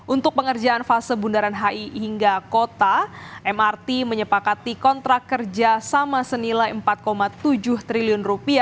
untuk pengerjaan fase bundaran hi hingga kota mrt menyepakati kontrak kerjasama senilai rp empat tujuh triliun